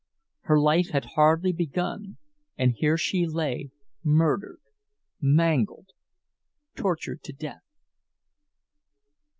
Her life had hardly begun—and here she lay murdered—mangled, tortured to death!